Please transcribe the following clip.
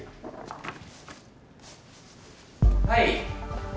はい。